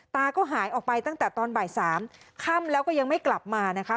หายออกไปตั้งแต่ตอนบ่ายสามค่ำแล้วก็ยังไม่กลับมานะคะ